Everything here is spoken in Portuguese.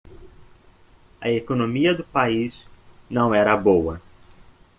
A economia do país não era boa.